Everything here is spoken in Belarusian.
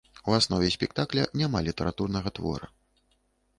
У аснове спектакля няма літаратурнага твора.